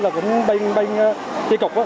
là cũng bên chi cục á